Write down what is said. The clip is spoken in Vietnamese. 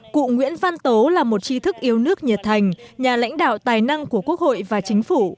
cụ nguyễn văn tố là một tri thức yêu nước nhiệt thành nhà lãnh đạo tài năng của quốc hội và chính phủ